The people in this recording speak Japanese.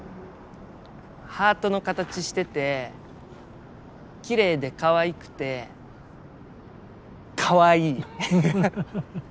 ハートの形しててきれいでかわいくてかわいい。